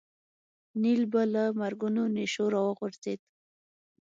نیل به له مرګونو نېشو راوغورځېد.